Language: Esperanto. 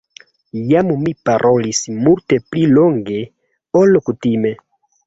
Jam mi parolis multe pli longe, ol kutime.